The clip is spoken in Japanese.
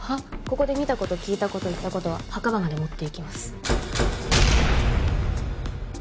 「ここで見たこと聞いたこと言ったことは墓場まで持っていきます」